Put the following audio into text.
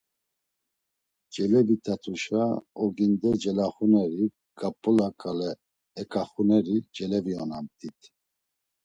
Celevit̆atuşa oginde celaxuneri, ǩap̌ula ǩale eǩaxuneri celevionamt̆it.